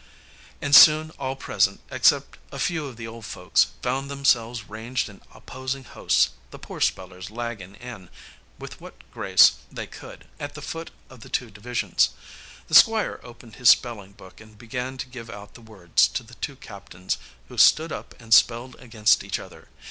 And soon all present, except a few of the old folks, found themselves ranged in opposing hosts, the poor spellers lagging in, with what grace they could, at the foot of the two divisions. The Squire opened his spelling book and began to give out the words to the two captains, who stood up and spelled against each other.